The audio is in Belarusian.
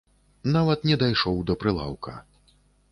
Нават не дайшоў да прылаўка.